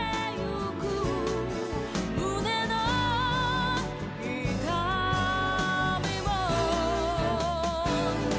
「胸の痛みも」